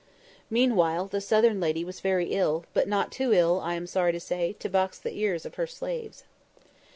Meanwhile, the Southern lady was very ill, but not too ill, I am sorry to say, to box the ears of her slaves.